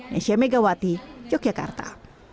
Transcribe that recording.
nesya megawati yogyakarta